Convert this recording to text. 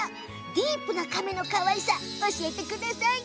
ディープなカメのかわいさ教えて。